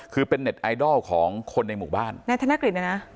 คือเป็นเน็ตไอดอลของคนในหมู่บ้านนายธนกฤษเนี่ยนะ